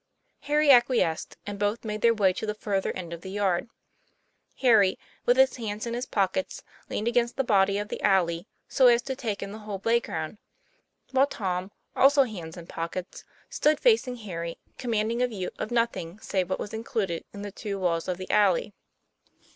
Harry acquiesced, and both made their way to the further end of the yard. Harry, with his hands in his pockets, leaned against the body of the alley so as to take in the whole playground, while Tom, also hands in pockets, stood facing Harry, commanding a vietf of nothing save what was included in the two walls of the alley.